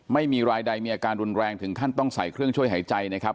ไม่มีรายใดมีอาการรุนแรงถึงขั้นต้องใส่เครื่องช่วยหายใจนะครับ